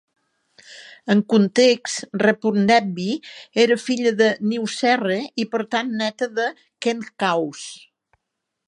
En context, Reputnebty era filla de Nyuserre i, per tant, neta de Khentkaus.